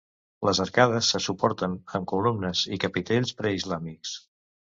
Les arcades se suporten amb columnes i capitells preislàmics.